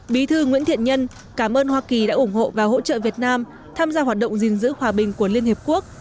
bí thư nguyễn thiện nhân cảm ơn hoa kỳ đã ủng hộ và hỗ trợ việt nam tham gia hoạt động gìn giữ hòa bình của liên hiệp quốc